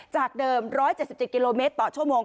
จากเดิม๑๗๗กิโลเมตรต่อชั่วโมง